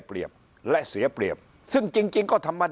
พักพลังงาน